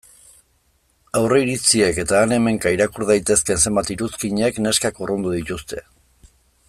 Aurreiritziek eta han-hemenka irakur daitezkeen zenbait iruzkinek neskak urrundu dituzte.